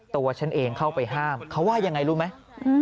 ตัวฉันเองเข้าไปห้ามเขาว่ายังไงรู้ไหม